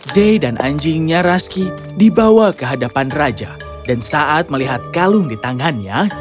day dan anjingnya raski dibawa ke hadapan raja dan saat melihat kalung di tangannya